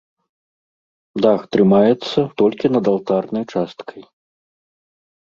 Дах трымаецца толькі над алтарнай часткай.